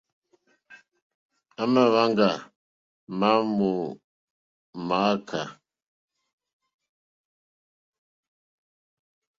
À mà hwánjá ŋmá mó mááká.